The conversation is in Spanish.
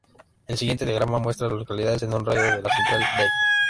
El siguiente diagrama muestra a las localidades en un radio de de Central Lake.